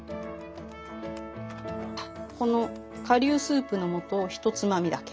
この顆粒スープの素をひとつまみだけ。